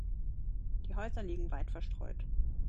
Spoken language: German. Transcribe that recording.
Die Häuser liegen weit verstreut.